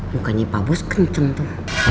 mukanya pabos kenceng tuh